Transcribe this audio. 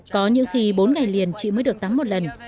có những khi bốn ngày liền chị mới được tắm một lần